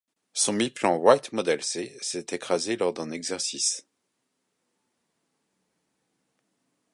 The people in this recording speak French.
Son biplan Wright Model C s'est écrasé lors d'un exercice.